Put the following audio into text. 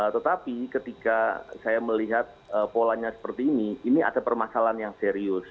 tetapi ketika saya melihat polanya seperti ini ini ada permasalahan yang serius